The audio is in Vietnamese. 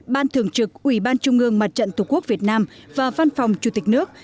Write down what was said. ban thường trực ủy ban trung ương mặt trận tổ quốc việt nam và văn phòng chủ tịch nước